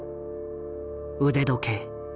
腕時計。